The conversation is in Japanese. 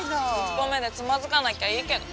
一歩目でつまづかなきゃいいけど。